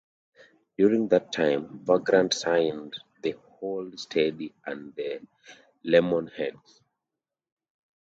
During that time Vagrant signed The Hold Steady and The Lemonheads.